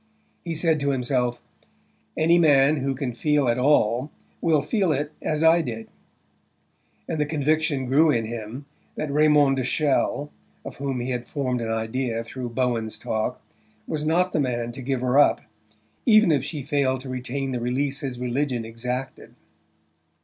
He said to himself: "Any man who can feel at all will feel it as I did"; and the conviction grew in him that Raymond de Chelles, of whom he had formed an idea through Bowen's talk, was not the man to give her up, even if she failed to obtain the release his religion exacted.